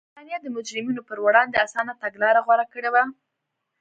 برېټانیا د مجرمینو پر وړاندې اسانه تګلاره غوره کړې وه.